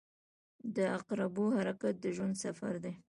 • د عقربو حرکت د ژوند سفر دی.